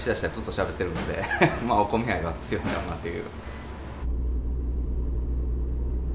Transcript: お米愛は強いんだろうなっていう。